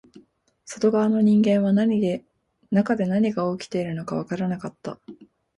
外側の人間は中で何が起きているのかわからなかった